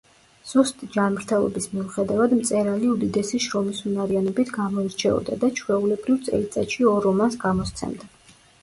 სუსტი ჯანმრთელობის მიუხედავად, მწერალი უდიდესი შრომისუნარიანობით გამოირჩეოდა და ჩვეულებრივ, წელიწადში ორ რომანს გამოსცემდა.